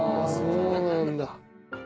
そうなんだ。